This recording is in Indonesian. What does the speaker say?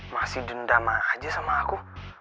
masih dendam aja sama aku